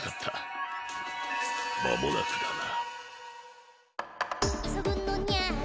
間もなくだな。